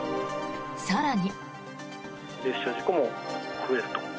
更に。